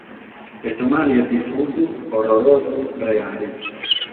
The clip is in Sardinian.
E su male est difusu, orrorosu, reale.